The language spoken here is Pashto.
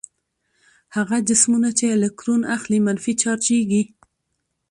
هغه جسمونه چې الکترون اخلي منفي چارجیږي.